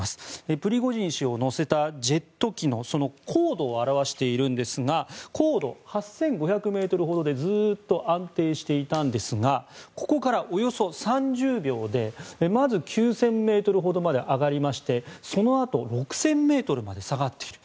プリゴジン氏を乗せたジェット機のその高度を表しているんですが高度８５００ｍほどでずっと安定していたんですがここからおよそ３０秒でまず９０００ｍほどまで上がりまして、そのあと６０００ｍまで下がっている。